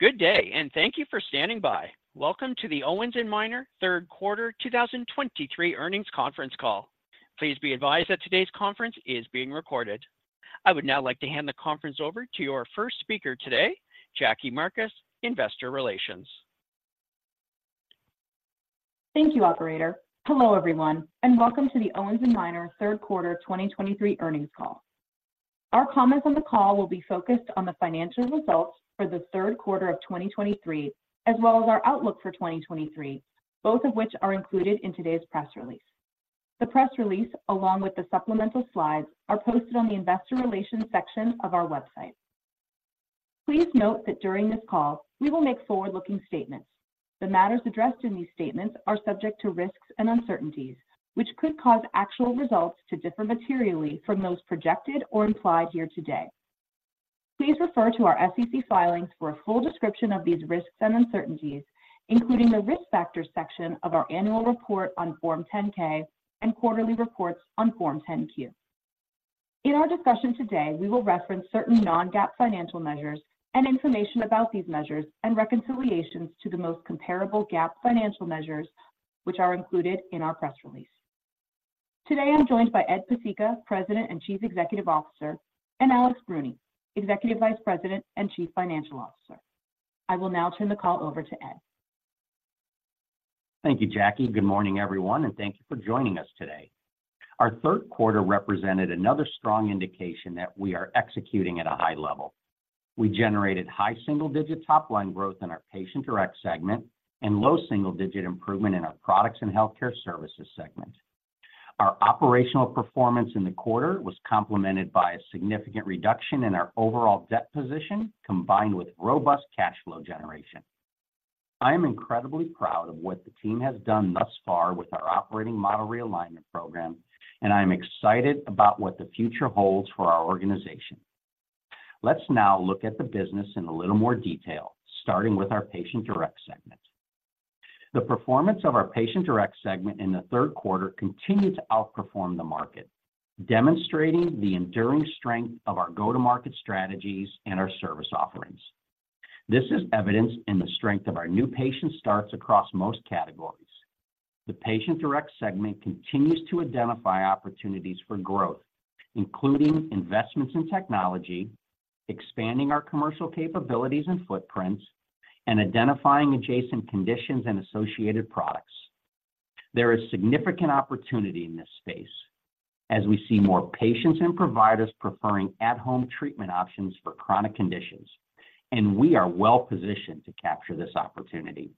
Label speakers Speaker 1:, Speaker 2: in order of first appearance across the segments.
Speaker 1: Good day, and thank you for standing by. Welcome to the Owens & Minor Third Quarter 2023 Earnings Conference Call. Please be advised that today's conference is being recorded. I would now like to hand the conference over to your first speaker today, Jackie Marcus, Investor Relations.
Speaker 2: Thank you, operator. Hello, everyone, and welcome to the Owens & Minor third quarter 2023 earnings call. Our comments on the call will be focused on the financial results for the third quarter of 2023, as well as our outlook for 2023, both of which are included in today's press release. The press release, along with the supplemental slides, are posted on the Investor Relations section of our website. Please note that during this call, we will make forward-looking statements. The matters addressed in these statements are subject to risks and uncertainties, which could cause actual results to differ materially from those projected or implied here today. Please refer to our SEC filings for a full description of these risks and uncertainties, including the Risk Factors section of our Annual Report on Form 10-K and quarterly reports on Form 10-Q. In our discussion today, we will reference certain non-GAAP financial measures and information about these measures and reconciliations to the most comparable GAAP financial measures, which are included in our press release. Today, I'm joined by Ed Pesicka, President and Chief Executive Officer, and Alexander Bruni, Executive Vice President and Chief Financial Officer. I will now turn the call over to Ed.
Speaker 3: Thank you, Jackie. Good morning, everyone, and thank you for joining us today. Our third quarter represented another strong indication that we are executing at a high level. We generated high single-digit top-line growth in our Patient Direct segment and low double-digit improvement in our Products and Healthcare Services segment. Our operational performance in the quarter was complemented by a significant reduction in our overall debt position, combined with robust cash flow generation. I am incredibly proud of what the team has done thus far with our Operating Model Realignment program, and I am excited about what the future holds for our organization. Let's now look at the business in a little more detail, starting with our Patient Direct segment. The performance of our Patient Direct segment in the third quarter continued to outperform the market, demonstrating the enduring strength of our go-to-market strategies and our service offerings. This is evidenced in the strength of our new patient starts across most categories. The Patient Direct segment continues to identify opportunities for growth, including investments in technology, expanding our commercial capabilities and footprints, and identifying adjacent conditions and associated products. There is significant opportunity in this space as we see more patients and providers preferring at-home treatment options for chronic conditions, and we are well positioned to capture this opportunity.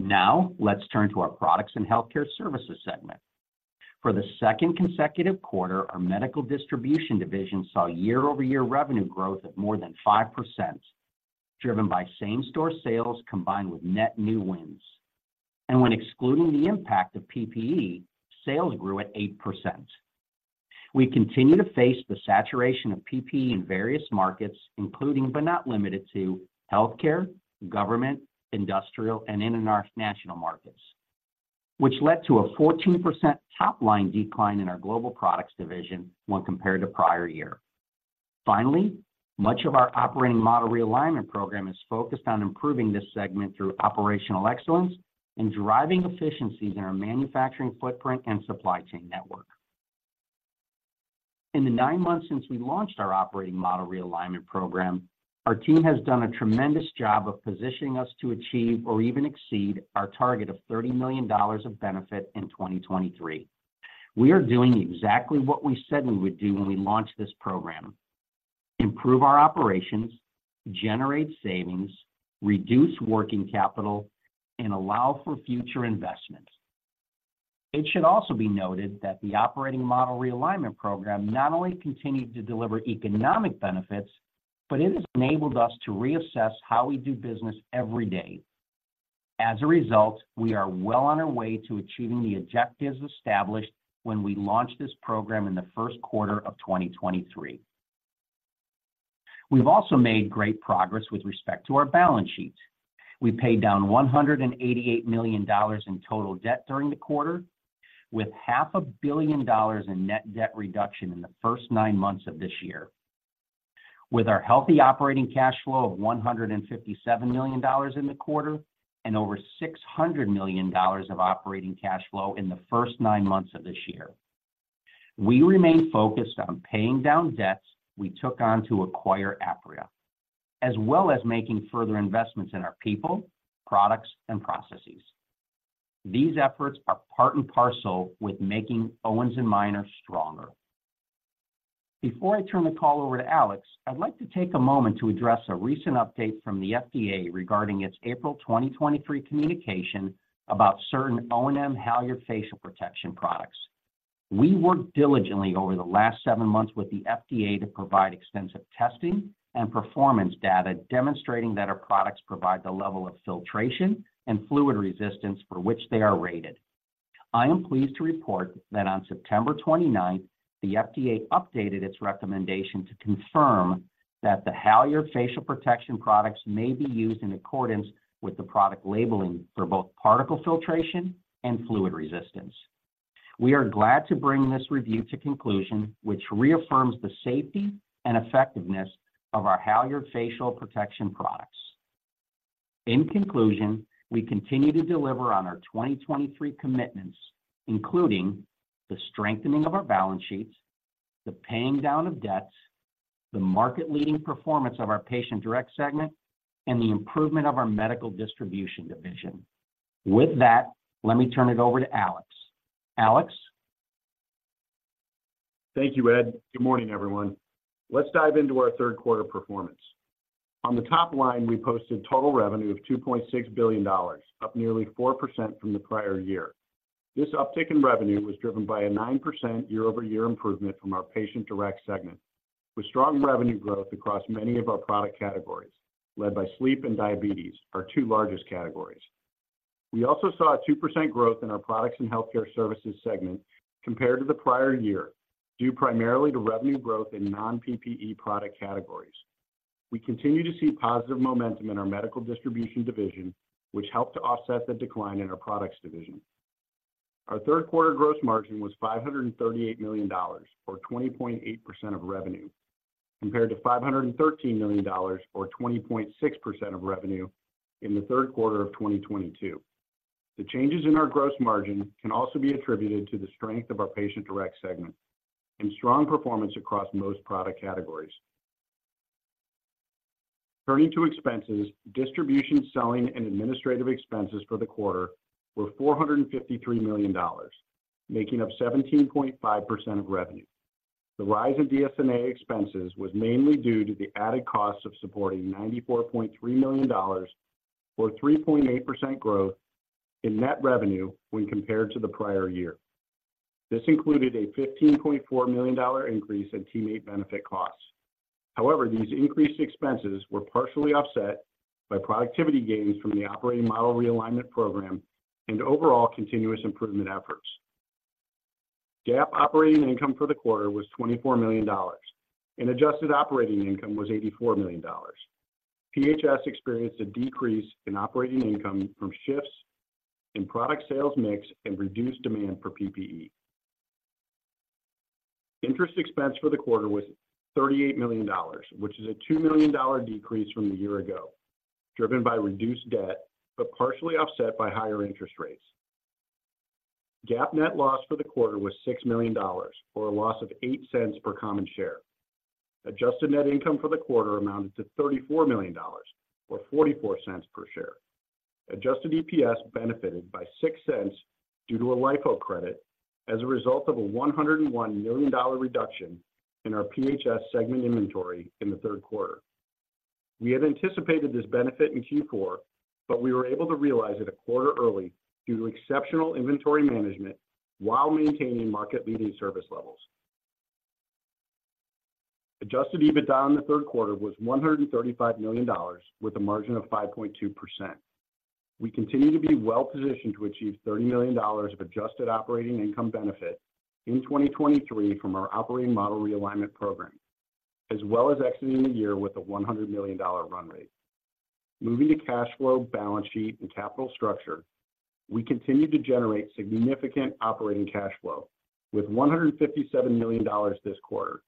Speaker 3: Now, let's turn to our Products and Healthcare Services segment. For the second consecutive quarter, our Medical Distribution division saw year-over-year revenue growth of more than 5%, driven by same-store sales combined with net new wins. When excluding the impact of PPE, sales grew at 8%. We continue to face the saturation of PPE in various markets, including but not limited to healthcare, government, industrial, and international markets, which led to a 14% top-line decline in our Global Products division when compared to prior year. Finally, much of our Operating Model Realignment Program is focused on improving this segment through operational excellence and driving efficiencies in our manufacturing footprint and supply chain network. In the nine months since we launched our Operating Model Realignment Program, our team has done a tremendous job of positioning us to achieve or even exceed our target of $30 million of benefit in 2023. We are doing exactly what we said we would do when we launched this program: improve our operations, generate savings, reduce working capital, and allow for future investments. It should also be noted that the Operating Model Realignment Program not only continued to deliver economic benefits, but it has enabled us to reassess how we do business every day. As a result, we are well on our way to achieving the objectives established when we launched this program in the first quarter of 2023. We've also made great progress with respect to our balance sheet. We paid down $188 million in total debt during the quarter, with $500 million in net debt reduction in the first nine months of this year. With our healthy operating cash flow of $157 million in the quarter and over $600 million of operating cash flow in the first nine months of this year, we remain focused on paying down debts we took on to acquire Apria, as well as making further investments in our people, products, and processes. These efforts are part and parcel with making Owens & Minor stronger. Before I turn the call over to Alex, I'd like to take a moment to address a recent update from the FDA regarding its April 2023 communication about certain O&M Halyard facial protection products. We worked diligently over the last seven months with the FDA to provide extensive testing and performance data demonstrating that our products provide the level of filtration and fluid resistance for which they are rated. I am pleased to report that on September 29th, the FDA updated its recommendation to confirm that the Halyard facial protection products may be used in accordance with the product labeling for both particle filtration and fluid resistance. We are glad to bring this review to conclusion, which reaffirms the safety and effectiveness of our Halyard facial protection products. In conclusion, we continue to deliver on our 2023 commitments, including the strengthening of our balance sheets, the paying down of debts, the market-leading performance of our Patient Direct segment, and the improvement of our Medical Distribution division. With that, let me turn it over to Alex. Alex?
Speaker 4: Thank you, Ed. Good morning, everyone. Let's dive into our third quarter performance. On the top line, we posted total revenue of $2.6 billion, up nearly 4% from the prior year. This uptick in revenue was driven by a 9% year-over-year improvement from our Patient Direct segment, with strong revenue growth across many of our product categories, led by sleep and diabetes, our two largest categories. We also saw a 2% growth in our Products and Healthcare Services segment compared to the prior year, due primarily to revenue growth in non-PPE product categories. We continue to see positive momentum in our Medical Distribution division, which helped to offset the decline in our Products division. Our third quarter gross margin was $538 million, or 20.8% of revenue, compared to $513 million or 20.6% of revenue in the third quarter of 2022. The changes in our gross margin can also be attributed to the strength of our Patient Direct segment and strong performance across most product categories. Turning to expenses, distribution, selling, and administrative expenses for the quarter were $453 million, making up 17.5% of revenue. The rise in DS&A expenses was mainly due to the added cost of supporting $94.3 million, or 3.8% growth in net revenue when compared to the prior year. This included a $15.4 million increase in teammate benefit costs. However, these increased expenses were partially offset by productivity gains from the Operating Model Realignment Program and overall continuous improvement efforts. GAAP operating income for the quarter was $24 million, and adjusted operating income was $84 million. PHS experienced a decrease in operating income from shifts in product sales mix and reduced demand for PPE. Interest expense for the quarter was $38 million, which is a $2 million decrease from a year ago, driven by reduced debt, but partially offset by higher interest rates. GAAP net loss for the quarter was $6 million, or a loss of $0.08 per common share. Adjusted net income for the quarter amounted to $34 million, or $0.44 per share. Adjusted EPS benefited by $0.06 due to a LIFO credit as a result of a $101 million reduction in our PHS segment inventory in the third quarter. We had anticipated this benefit in Q4, but we were able to realize it 1/4 early due to exceptional inventory management while maintaining market-leading service levels. Adjusted EBITDA in the third quarter was $135 million, with a margin of 5.2%. We continue to be well positioned to achieve $30 million of adjusted operating income benefit in 2023 from our operating model realignment program, as well as exiting the year with a $100 million run rate. Moving to cash flow, balance sheet, and capital structure, we continue to generate significant operating cash flow, with $157 million this quarter,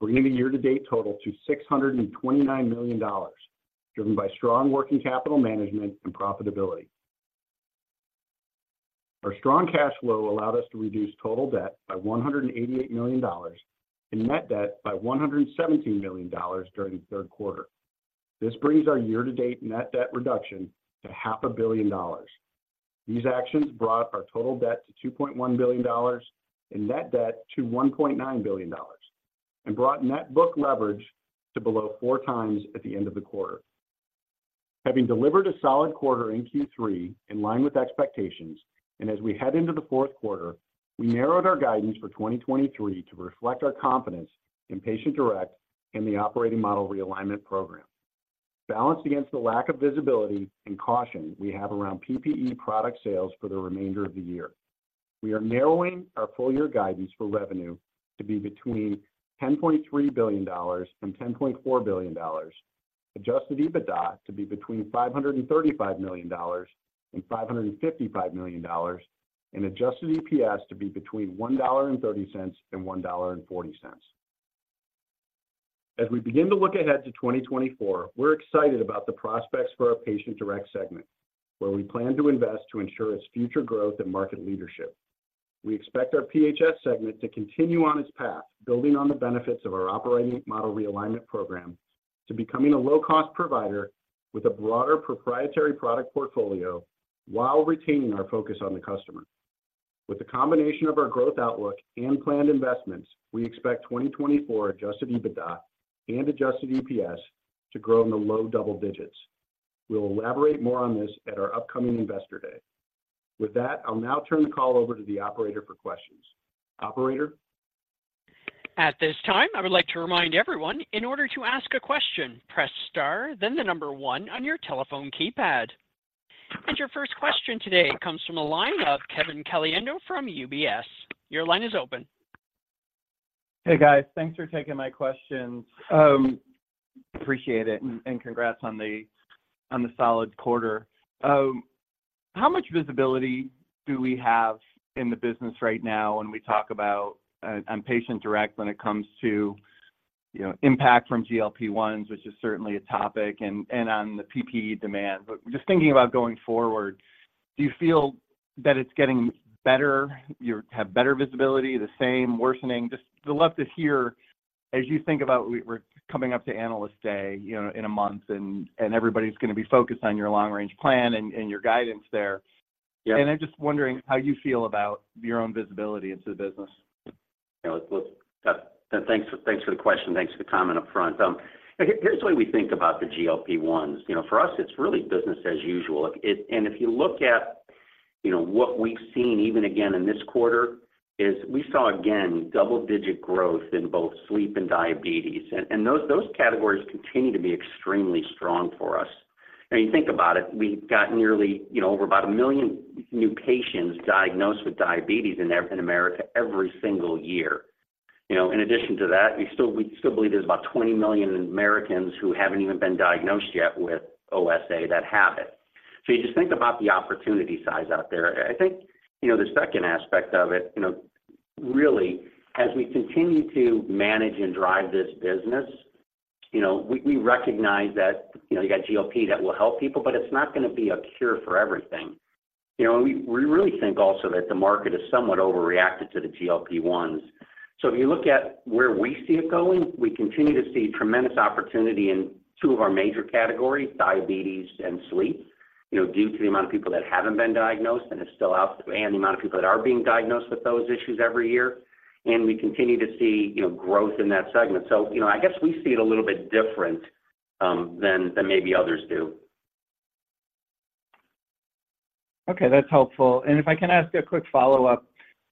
Speaker 4: bringing the year-to-date total to $629 million, driven by strong working capital management and profitability. Our strong cash flow allowed us to reduce total debt by $188 million and net debt by $117 million during the third quarter. This brings our year-to-date net debt reduction to $500 million. These actions brought up our total debt to $2.1 billion and net debt to $1.9 billion, and brought net book leverage to below 4x at the end of the quarter. Having delivered a solid quarter in Q3, in line with expectations and as we head into the fourth quarter, we narrowed our guidance for 2023 to reflect our confidence in Patient Direct and the Operating Model Realignment Program. Balanced against the lack of visibility and caution we have around PPE product sales for the remainder of the year, we are narrowing our full year guidance for revenue to be between $10.3 billion-$10.4 billion, adjusted EBITDA to be between $535 million-$555 million, and adjusted EPS to be between $1.30-$1.40. As we begin to look ahead to 2024, we're excited about the prospects for our Patient Direct segment, where we plan to invest to ensure its future growth and market leadership. We expect our PHS segment to continue on its path, building on the benefits of our Operating Model Realignment Program, to becoming a low-cost provider with a broader proprietary product portfolio while retaining our focus on the customer. With the combination of our growth outlook and planned investments, we expect 2024 adjusted EBITDA and adjusted EPS to grow in the low double digits. We'll elaborate more on this at our upcoming Investor Day. With that, I'll now turn the call over to the operator for questions. Operator?
Speaker 1: At this time, I would like to remind everyone, in order to ask a question, press star, then the number one on your telephone keypad. Your first question today comes from the line of Kevin Caliendo from UBS. Your line is open.
Speaker 5: Hey, guys. Thanks for taking my questions. Appreciate it, and congrats on the solid quarter. How much visibility do we have in the business right now when we talk about on Patient Direct, when it comes to, you know, impact from GLP-1s, which is certainly a topic, and on the PPE demand? But just thinking about going forward, do you feel that it's getting better, you have better visibility, the same, worsening? Just would love to hear as you think about we're coming up to Analyst Day, you know, in a month, and everybody's gonna be focused on your long-range plan and your guidance there.
Speaker 3: Yeah.
Speaker 5: I'm just wondering how you feel about your own visibility into the business?
Speaker 3: You know, and thanks, thanks for the question. Thanks for the comment upfront. Here's the way we think about the GLP-1s. You know, for us, it's really business as usual. And if you look at, you know, what we've seen, even again in this quarter, is we saw, again, double-digit growth in both sleep and diabetes, and those categories continue to be extremely strong for us. And you think about it, we've got nearly, you know, over about 1 million new patients diagnosed with diabetes in America every single year. You know, in addition to that, we still believe there's about 20 million Americans who haven't even been diagnosed yet with OSA that have it. So you just think about the opportunity size out there. I think, you know, the second aspect of it, you know, really, as we continue to manage and drive this business, you know, we recognize that, you know, you got GLP that will help people, but it's not gonna be a cure for everything. You know, and we really think also that the market has somewhat overreacted to the GLP-1s. So if you look at where we see it going, we continue to see tremendous opportunity in two of our major categories, diabetes and sleep, you know, due to the amount of people that haven't been diagnosed and are still out, and the amount of people that are being diagnosed with those issues every year, and we continue to see, you know, growth in that segment. So, you know, I guess we see it a little bit different than maybe others do.
Speaker 5: Okay, that's helpful. If I can ask a quick follow-up.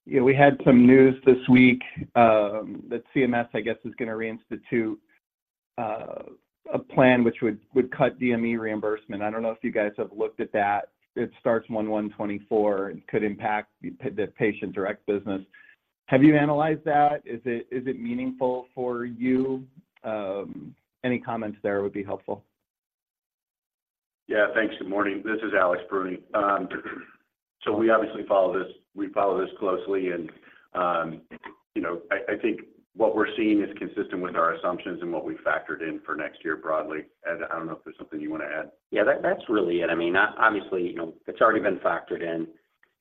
Speaker 5: You know, we had some news this week that CMS, I guess, is gonna reinstitute a plan which would cut DME reimbursement. I don't know if you guys have looked at that. It starts 1/1/2024 and could impact the Patient Direct business. Have you analyzed that? Is it meaningful for you? Any comments there would be helpful.
Speaker 4: Yeah, thanks. Good morning. This is Alex Bruni. So we obviously follow this—we follow this closely, and, you know, I, I think what we're seeing is consistent with our assumptions and what we factored in for next year, broadly. Ed, I don't know if there's something you want to add.
Speaker 3: Yeah, that's really it. I mean, obviously, you know, it's already been factored in,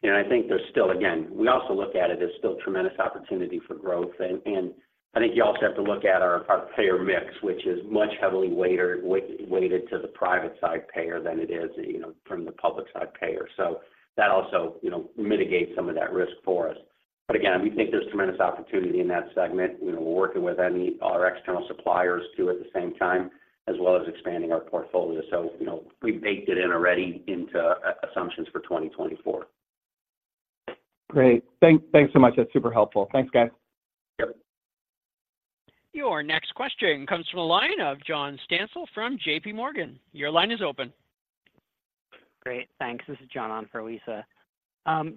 Speaker 3: and I think there's still... Again, we also look at it, there's still tremendous opportunity for growth, and I think you also have to look at our payer mix, which is much heavily weighted to the private side payer than it is, you know, from the public side payer. So that also, you know, mitigates some of that risk for us. But again, we think there's tremendous opportunity in that segment. You know, we're working with our external suppliers, too, at the same time, as well as expanding our portfolio. So, you know, we baked it in already into assumptions for 2024.
Speaker 5: Great. Thanks so much. That's super helpful. Thanks, guys.
Speaker 3: Yep.
Speaker 1: Your next question comes from the line of John Stansel from JPMorgan. Your line is open.
Speaker 6: Great, thanks. This is John on for Lisa.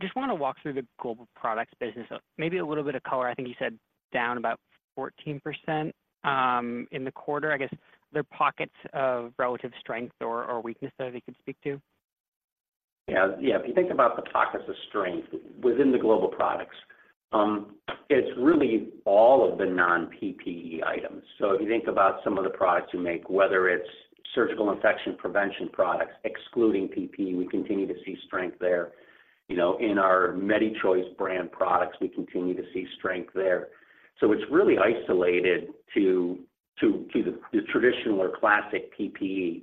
Speaker 6: Just want to walk through the global products business, maybe a little bit of color. I think you said down about 14%, in the quarter. I guess, there are pockets of relative strength or, or weakness that I could speak to?
Speaker 3: Yeah. Yeah, if you think about the pockets of strength within the Global Products, it's really all of the non-PPE items. So if you think about some of the products we make, whether it's surgical infection, prevention products, excluding PPE, we continue to see strength there. You know, in our MediChoice brand products, we continue to see strength there. So it's really isolated to the traditional or classic PPE.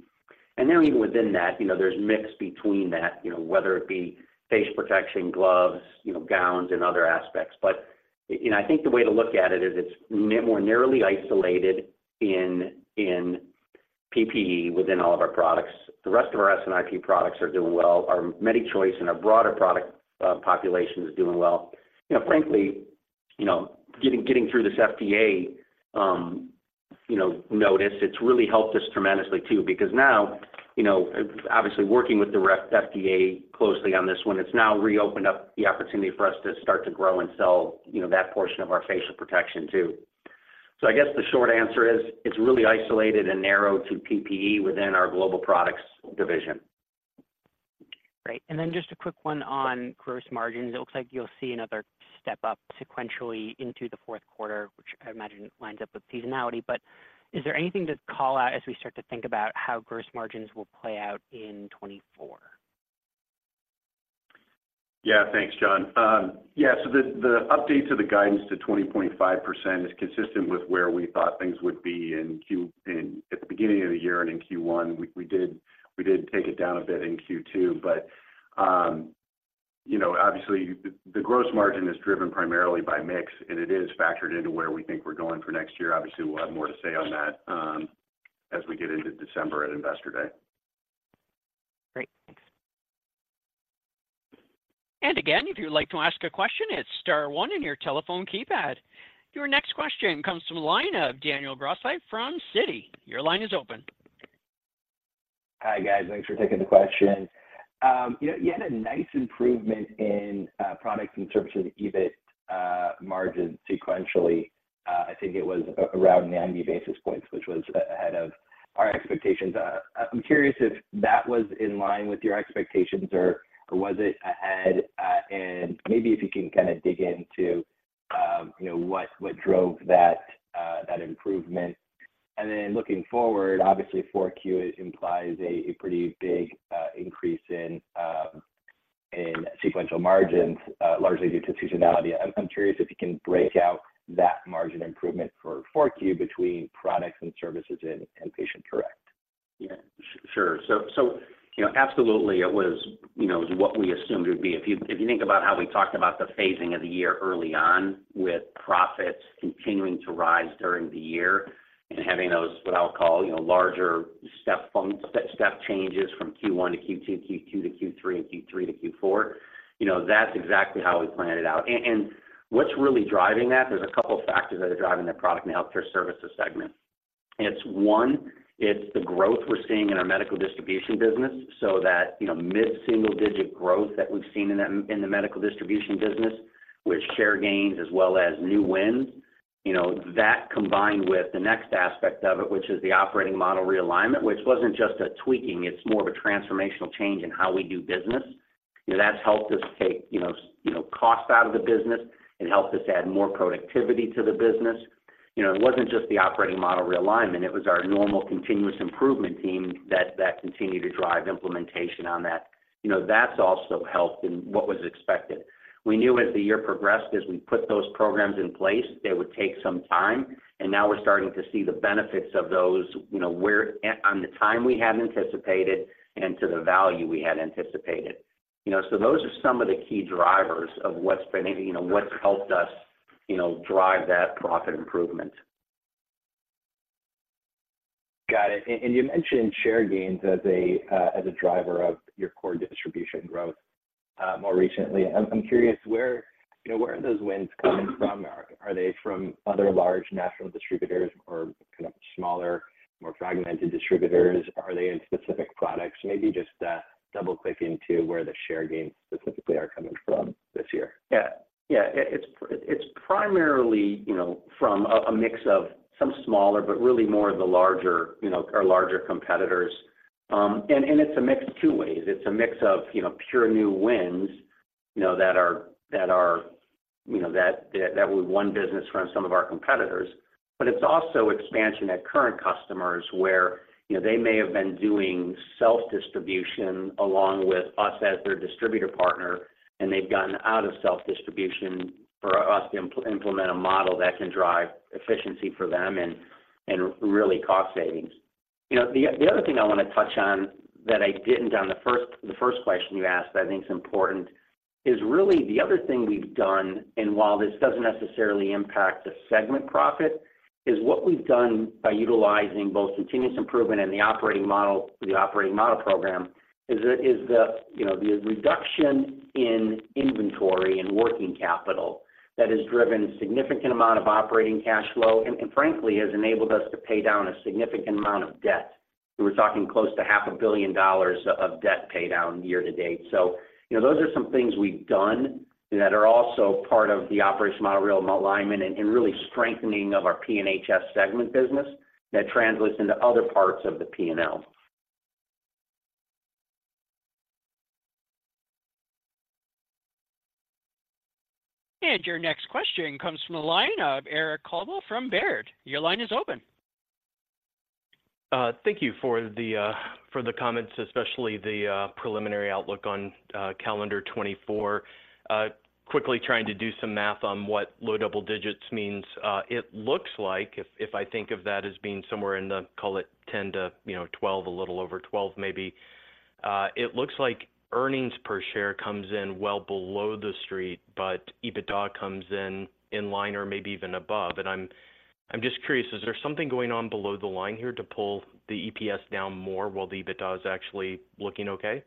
Speaker 3: And then even within that, you know, there's mix between that, you know, whether it be face protection, gloves, you know, gowns and other aspects. But, you know, I think the way to look at it is, it's more narrowly isolated in PPE within all of our products. The rest of our S&IP products are doing well. Our MediChoice and our broader product population is doing well. You know, frankly, you know, getting through this FDA notice, it's really helped us tremendously, too, because now, you know, obviously, working with the FDA closely on this one, it's now reopened up the opportunity for us to start to grow and sell, you know, that portion of our facial protection, too. So I guess the short answer is, it's really isolated and narrowed to PPE within our Global Products division.
Speaker 6: Great. And then just a quick one on gross margins. It looks like you'll see another step up sequentially into the fourth quarter, which I imagine lines up with seasonality. But is there anything to call out as we start to think about how gross margins will play out in 2024?
Speaker 4: Yeah. Thanks, John. Yeah, so the updates of the guidance to 20.5% is consistent with where we thought things would be in Q1 at the beginning of the year and in Q1. We did take it down a bit in Q2, but you know, obviously, the gross margin is driven primarily by mix, and it is factored into where we think we're going for next year. Obviously, we'll have more to say on that, as we get into December at Investor Day.
Speaker 6: Great. Thanks.
Speaker 1: Again, if you'd like to ask a question, it's star one on your telephone keypad. Your next question comes from the line of Daniel Grosslight from Citi. Your line is open.
Speaker 7: Hi, guys. Thanks for taking the questions. You know, you had a nice improvement in products and services EBIT margin sequentially. I think it was around 90 basis points, which was ahead of our expectations. I'm curious if that was in line with your expectations, or was it ahead? And maybe if you can kinda dig into, you know, what drove that improvement. And then looking forward, obviously, 4Q implies a pretty big increase in sequential margins, largely due to seasonality. I'm curious if you can break out that margin improvement for 4Q between products and services and Patient Direct.
Speaker 3: Yeah, sure. So, you know, absolutely, it was, you know, what we assumed it would be. If you think about how we talked about the phasing of the year early on, with profits continuing to rise during the year and having those, what I'll call, you know, larger step functions, step changes from Q1 to Q2, Q2 to Q3, and Q3 to Q4, you know, that's exactly how we planned it out. And what's really driving that, there's a couple of factors that are driving that Products and Healthcare Services segment. It's one, it's the growth we're seeing in our Medical Distribution business, so that, you know, mid-single-digit growth that we've seen in the Medical Distribution business, with share gains as well as new wins. You know, that combined with the next aspect of it, which is the Operating Model Realignment, which wasn't just a tweaking, it's more of a transformational change in how we do business. You know, that's helped us take, you know, you know, costs out of the business and helped us add more productivity to the business. You know, it wasn't just the Operating Model Realignment, it was our normal continuous improvement team that continued to drive implementation on that. You know, that's also helped in what was expected. We knew as the year progressed, as we put those programs in place, they would take some time, and now we're starting to see the benefits of those, you know, where, on the time we had anticipated and to the value we had anticipated. You know, so those are some of the key drivers of what's been, you know, what's helped us, you know, drive that profit improvement.
Speaker 7: Got it. And you mentioned share gains as a, as a driver of your core distribution growth, more recently. I'm curious, where, you know, where are those wins coming from? Are they from other large national distributors or kind of smaller, more fragmented distributors? Are they in specific products? Maybe just, double-click into where the share gains specifically are coming from this year.
Speaker 3: Yeah. Yeah, it's primarily, you know, from a mix of some smaller, but really more of the larger, you know, our larger competitors. And it's a mix two ways. It's a mix of, you know, pure new wins, you know, that we've won business from some of our competitors. But it's also expansion at current customers where, you know, they may have been doing self-distribution along with us as their distributor partner, and they've gotten out of self-distribution for us to implement a model that can drive efficiency for them and really cost savings. You know, the other thing I want to touch on that I didn't on the first, the first question you asked that I think is important, is really the other thing we've done, and while this doesn't necessarily impact the segment profit, is what we've done by utilizing both continuous improvement and the Operating Model, the Operating Model Program, is the, is the, you know, the reduction in inventory and working capital that has driven a significant amount of operating cash flow, and, and frankly, has enabled us to pay down a significant amount of debt. We're talking close to $500 million of debt pay down year to date. So, you know, those are some things we've done that are also part of the Operating Model Realignment, and, and really strengthening of our P&HS segment business that translates into other parts of the P&L.
Speaker 1: Your next question comes from the line of Eric Coldwell from Baird. Your line is open.
Speaker 8: Thank you for the comments, especially the preliminary outlook on calendar 2024. Quickly trying to do some math on what low double digits means. It looks like if I think of that as being somewhere in the, call it 10 to, you know, 12, a little over 12, maybe, it looks like earnings per share comes in well below the street, but EBITDA comes in in line or maybe even above. I'm just curious, is there something going on below the line here to pull the EPS down more while the EBITDA is actually looking okay?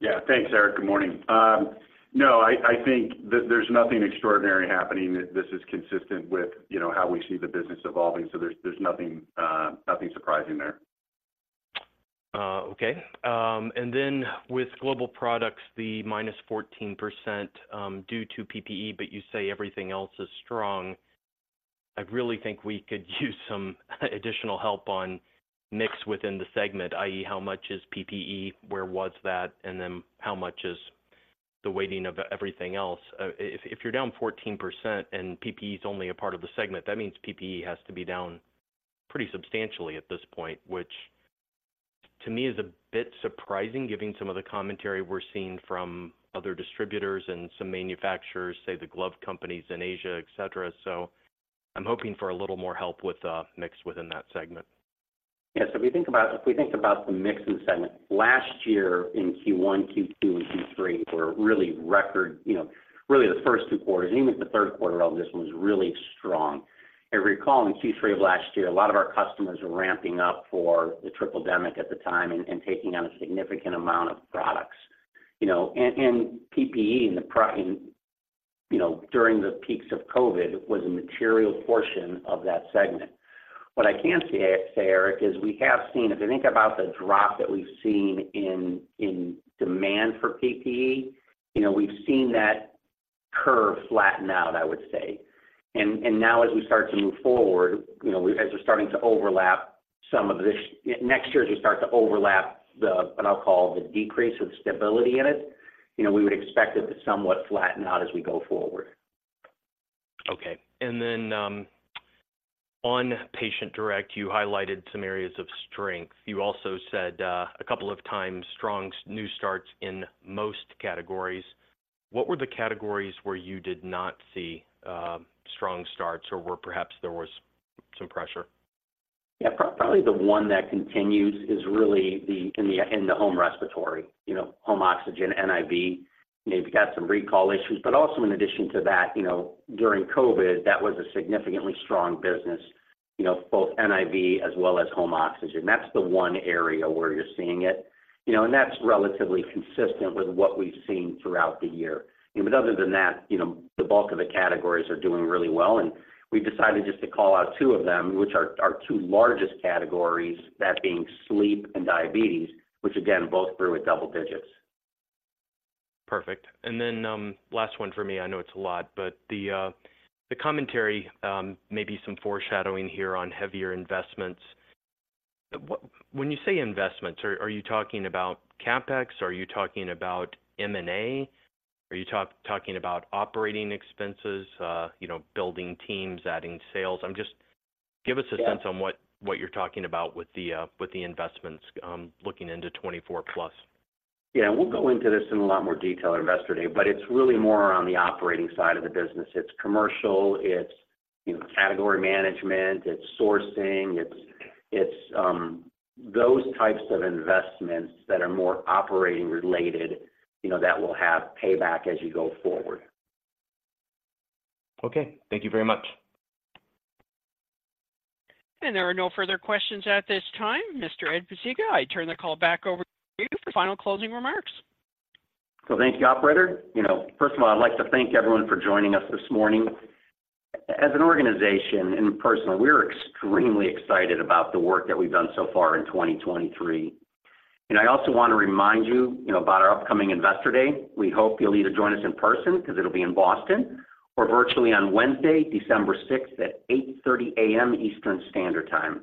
Speaker 4: Yeah. Thanks, Eric. Good morning. No, I think there's nothing extraordinary happening. This is consistent with, you know, how we see the business evolving, so there's nothing surprising there.
Speaker 8: Okay. And then with global products, the -14%, due to PPE, but you say everything else is strong. I really think we could use some additional help on mix within the segment, i.e., how much is PPE, where was that, and then how much is the weighting of everything else? If, if you're down 14% and PPE is only a part of the segment, that means PPE has to be down pretty substantially at this point, which to me is a bit surprising, given some of the commentary we're seeing from other distributors and some manufacturers, say, the glove companies in Asia, et cetera. So I'm hoping for a little more help with the mix within that segment.
Speaker 3: Yeah. So if we think about the mix in segment, last year in Q1, Q2, and Q3 were really record, you know, really the first two quarters, even the third quarter of this one, was really strong. If you recall, in Q3 of last year, a lot of our customers were ramping up for the Triple Demic at the time and taking on a significant amount of products. You know, and PPE, you know, during the peaks of COVID was a material portion of that segment. What I can say, Eric, is we have seen, if you think about the drop that we've seen in demand for PPE, you know, we've seen that curve flatten out, I would say. And now as we start to move forward, you know, we as we're starting to overlap some of this, next year, as we start to overlap the, what I'll call the decrease of stability in it, you know, we would expect it to somewhat flatten out as we go forward.
Speaker 8: Okay. Then, on Patient Direct, you highlighted some areas of strength. You also said a couple of times, strong new starts in most categories. What were the categories where you did not see strong starts or where perhaps there was some pressure?
Speaker 3: Yeah, probably the one that continues is really the home respiratory. You know, home oxygen, NIV, you know, you've got some recall issues, but also in addition to that, you know, during COVID, that was a significantly strong business, you know, both NIV as well as home oxygen. That's the one area where you're seeing it. You know, and that's relatively consistent with what we've seen throughout the year. But other than that, you know, the bulk of the categories are doing really well, and we decided just to call out two of them, which are our two largest categories, that being sleep and diabetes, which again, both grew at double digits.
Speaker 8: Perfect. And then, last one for me, I know it's a lot, but the commentary, maybe some foreshadowing here on heavier investments. What? When you say investments, are you talking about CapEx, or are you talking about M&A? Are you talking about operating expenses, you know, building teams, adding sales? I'm just-
Speaker 3: Yeah.
Speaker 8: Give us a sense on what you're talking about with the investments, looking into 2024+.
Speaker 3: Yeah, we'll go into this in a lot more detail at Investor Day, but it's really more on the operating side of the business. It's commercial, it's, you know, category management, it's sourcing, those types of investments that are more operating related, you know, that will have payback as you go forward.
Speaker 8: Okay. Thank you very much.
Speaker 1: There are no further questions at this time. Mr. Ed Pesicka, I turn the call back over to you for final closing remarks.
Speaker 3: So thank you, operator. You know, first of all, I'd like to thank everyone for joining us this morning. As an organization and personally, we're extremely excited about the work that we've done so far in 2023. And I also want to remind you, you know, about our upcoming Investor Day. We hope you'll either join us in person, because it'll be in Boston, or virtually on Wednesday, December 6th at 8:30 A.M. Eastern Standard Time.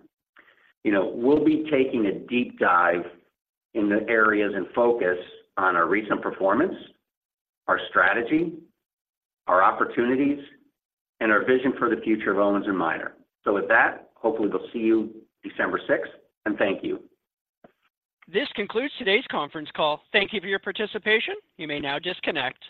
Speaker 3: You know, we'll be taking a deep dive in the areas and focus on our recent performance, our strategy, our opportunities, and our vision for the future of Owens & Minor. So with that, hopefully we'll see you December 6th, and thank you.
Speaker 1: This concludes today's conference call. Thank you for your participation. You may now disconnect.